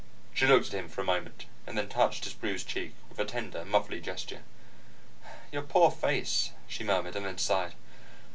She looked at him for a moment, and then touched his bruised cheek with a tender, motherly gesture. "Your poor face," she murmured, and then sighed.